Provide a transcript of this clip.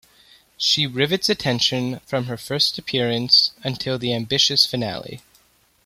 She rivets attention from her first appearance until the ambitious finale.